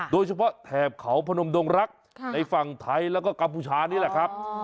โดยเฉพาะแถบเขาพนมดงรักษ์ในฝั่งไทยและกัมพูชานี่แหละครับ